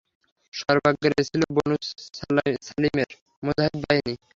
সর্বাগ্রে ছিল বনু সালীমের মুজাহিদ বাহিনী।